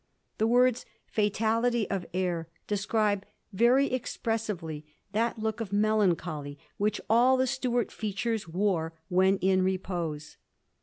The words * fatality of air ' describe very expressively that look of melancholy which aU the Stuart features wore when in repose.